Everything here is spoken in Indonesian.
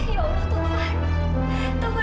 ya allah taufan